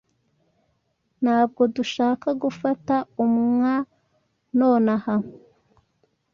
Ntabwo dushaka gufata umwaa nonaha.